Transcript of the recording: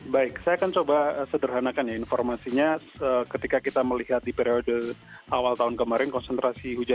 baik saya akan coba sederhanakan ya informasinya ketika kita melihat di periode awal tahun kemarin konsentrasi hujan